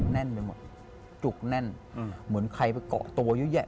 แน่นไปหมดจุกแน่นเหมือนใครไปเกาะตัวเยอะแยะ